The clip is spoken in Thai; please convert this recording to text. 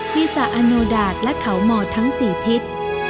ปีสะอโนดาตและเขาหมอทั้ง๔ทิศ